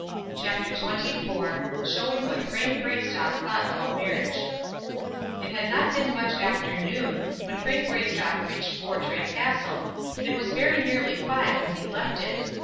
CHAPTER XXIV Showing What Frank Greystock Thought About Marriage It had not been much after noon when Frank Greystock reached Portray Castle, and it was very nearly five when he left it.